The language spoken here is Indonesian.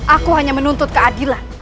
aku hanya menuntut keadilan